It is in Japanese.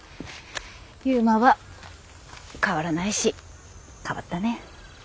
悠磨は変わらないし変わったね。